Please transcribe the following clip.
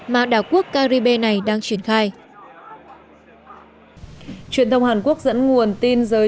mà đảo quốc caribe này đang triển khai truyền thông hàn quốc dẫn nguồn tin giới